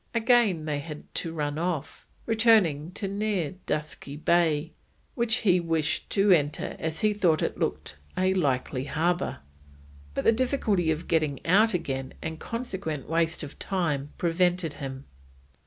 Again they had to run off, returning to near Dusky Bay, which he wished to enter as he thought it looked a likely harbour, but the difficulty of getting out again and consequent waste of time prevented him.